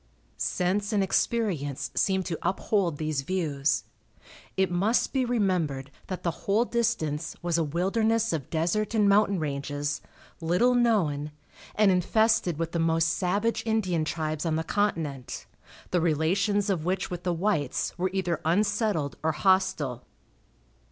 Sense and experience seemed to uphold these views. It must be remembered that the whole distance was a wilderness of desert and mountain ranges, little known, and infested with the most savage Indian tribes on the continent, the relations of which with the whites were either unsettled or hostile.